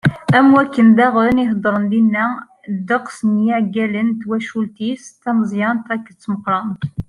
Am wakken daɣen i ḥeḍren dinna ddeqs n yiɛeggalen n twacult-is tameẓẓyant akked tmeqqrant.